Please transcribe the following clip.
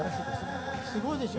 すごいでしょ。